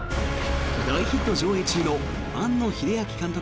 大ヒット上映中の庵野秀明監督